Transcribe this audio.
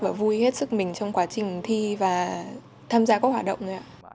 và vui hết sức mình trong quá trình thi và tham gia các hoạt động